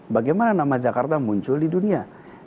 bagaimana nama jakarta muncul di dunia